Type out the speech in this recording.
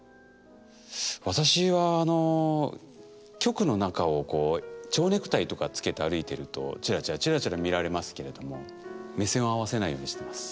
私は局の中をちょうネクタイとか着けて歩いてるとチラチラチラチラ見られますけれども目線を合わせないようにしてます。